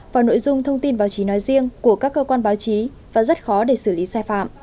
vào nội dung thông tin báo chí nói riêng của các cơ quan báo chí và rất khó để xử lý sai phạm